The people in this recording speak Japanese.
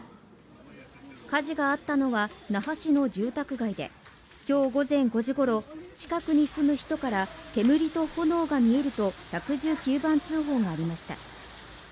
火事があったのは那覇市の住宅街で、今日午前５時ごろ、近くに住む人から煙と炎が見えると１１９番通報がありました。